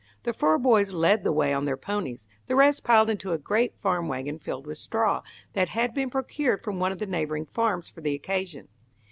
The four boys led the way on their ponies; the rest piled into a great farm wagon filled with straw, that had been procured from one of the neighbouring farms for the occasion.